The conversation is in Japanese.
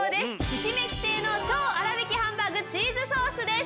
ひしめき亭の超粗びきハンバーグチーズソースです。